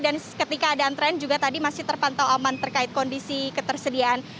dan ketika ada antrean juga tadi masih terpantau aman terkait kondisi ketersediaan